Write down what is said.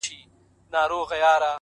تیاره وریځ ده؛ باد دی باران دی؛